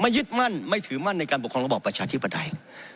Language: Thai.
ยึดมั่นไม่ถือมั่นในการปกครองระบอบประชาธิปไตย